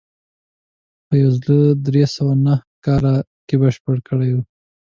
په یو زر درې سوه نهه کال کې بشپړه کړې وه.